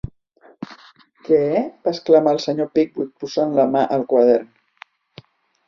"Què!", va exclamar el senyor Pickwick posant la mà al quadern.